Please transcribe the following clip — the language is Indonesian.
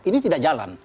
ini tidak jalan